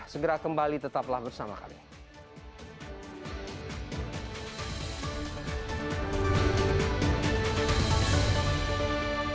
segera kembali tetaplah bersama kami